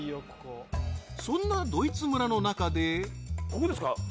そんなドイツ村の中でここですか？